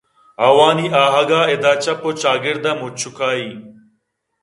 آوانی آہگ ءَ اِد ءِ چپ ءُچاگرد ءَ مچوکائی